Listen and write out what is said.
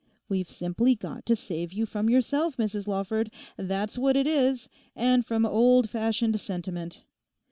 We've simply got to save you from yourself, Mrs Lawford; that's what it is—and from old fashioned sentiment.